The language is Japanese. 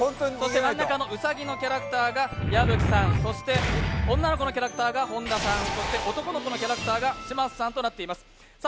真ん中のうさぎのキャラクターが矢吹さん、そして女の子のキャラクターが本田さん、男の子のキャラクターが嶋佐さんとなっています。